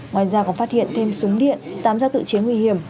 ngoài ra còn phát hiện thêm súng điện tám dao tự chế nguy hiểm